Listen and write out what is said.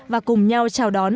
và cùng nhau chào đón